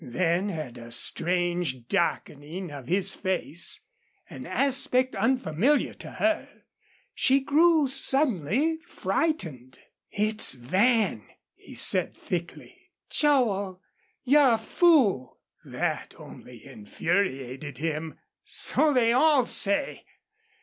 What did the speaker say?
Then, at a strange darkening of his face, an aspect unfamiliar to her, she grew suddenly frightened. "It's Van!" he said, thickly. "Joel, you're a fool!" That only infuriated him. "So they all say.